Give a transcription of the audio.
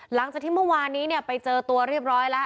หลังจากที่เมื่อวานนี้ไปเจอตัวเรียบร้อยแล้ว